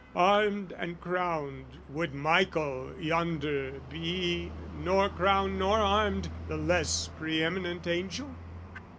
Armed and crowned, Would Michael, yonder, be, nor crowned nor armed, The less pre eminent angel?